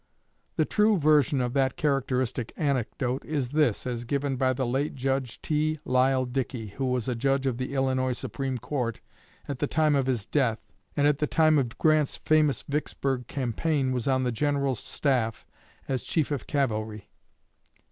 The true version of that characteristic anecdote is this, as given by the late Judge T. Lyle Dickey, who was a Judge of the Illinois Supreme Court at the time of his death, and at the time of Grant's famous Vicksburg campaign was on the General's staff as chief of cavalry.